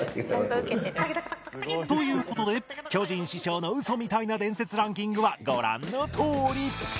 という事で巨人師匠のウソみたいな伝説ランキングはご覧のとおり